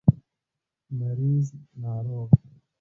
مريض √ ناروغ